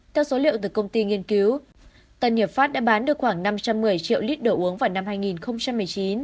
theo số liệu từ công ty nghiên cứu tân hiệp pháp đã bán được khoảng năm trăm một mươi triệu lít đồ uống vào năm hai nghìn một mươi chín